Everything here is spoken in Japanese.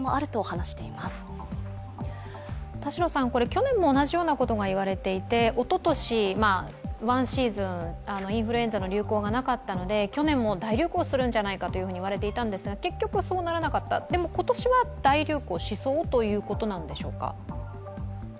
去年も同じようなことが言われていておととし、ワンシーズンインフルエンザの流行がなかったので去年も大流行するんじゃないかと言われていたんですが、結局そうならなかったでも今年は大流行しそうということなんでしょうか。